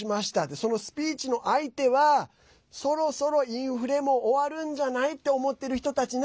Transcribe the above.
そのスピーチの相手はそろそろインフレも終わるんじゃない？って思ってる人たちね。